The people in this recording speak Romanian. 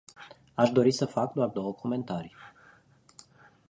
Aș dori să fac doar două comentarii.